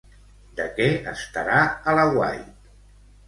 De què estarà a l'aguait?